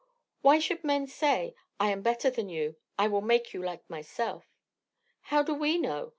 Why should men say: 'I am better than you; I will make you like myself?' How do we know?